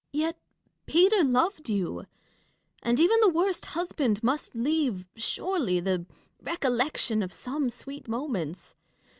Dashkof. Yet Peter loved you ; and even the worst husband must leave, surely, the recollection of some sweet moments.